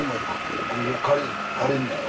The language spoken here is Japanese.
ここ借りんのやろ？